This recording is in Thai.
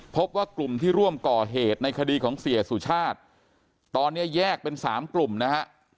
พบว่ากลุ่มที่ร่วมก่อเหตุในคดีของเสียสุชาติตอนนี้แยกเป็น๓กลุ่มนะฮะ